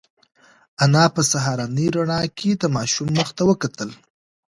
انا په سهارنۍ رڼا کې د ماشوم مخ ته وکتل.